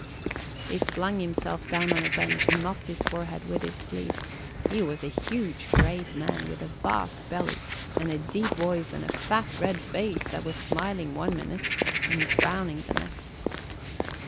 He flung himself down on a bench and mopped his forehead with his sleeve. He was a huge great man with a vast belly and a deep voice and a fat red face that was smiling one minute and frowning the next.